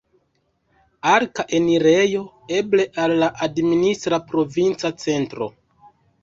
Arka enirejo, eble, al la administra provinca centro.